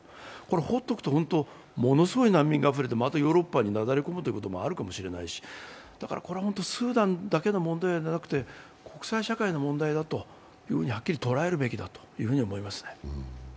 放っておくとものすごい難民があふれて、またヨーロッパになだれ込むということがあるかもしれないしだから、これはスーダンだけの問題ではなくて国際社会の問題だとはっきり捉えるべきだと思いますね。